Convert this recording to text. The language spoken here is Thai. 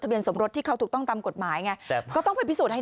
เบียนสมรสที่เขาถูกต้องตามกฎหมายไงครับก็ต้องไปพิสูจน์ให้